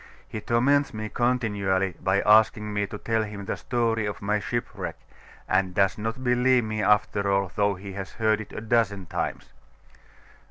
He torments me continually by asking me to tell him the story of my shipwreck, and does not believe me after all, though he has heard it a dozen times.